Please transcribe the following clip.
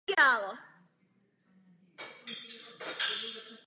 Bohumil Urbánek.